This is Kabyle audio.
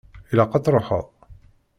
Ilaq ad truḥeḍ.